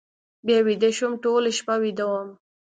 بیا ویده شوم، ټوله شپه ویده وم.